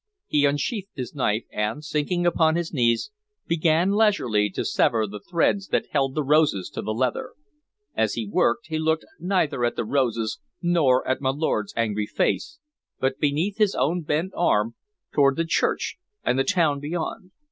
He unsheathed his knife, and, sinking upon his knees, began leisurely to sever the threads that held the roses to the leather. As he worked, he looked neither at the roses nor at my lord's angry face, but beneath his own bent arm toward the church and the town beyond.